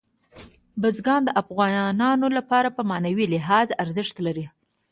بزګان د افغانانو لپاره په معنوي لحاظ ارزښت لري.